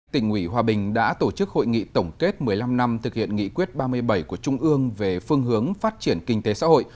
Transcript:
tỉnh ủy hòa bình đã tổ chức hội nghị tổng kết một mươi năm năm thực hiện nghị quyết ba mươi bảy của trung ương về phương hướng phát triển kinh tế xã hội